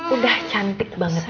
udah cantik banget